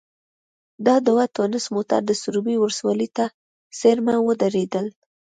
دا دوه ټونس موټر د سروبي ولسوالۍ ته څېرمه ودرېدل.